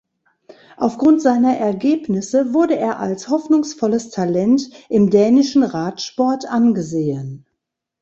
Aufgrund seiner Ergebnisse wurde er als hoffnungsvolles Talent im dänischen Radsport angesehen.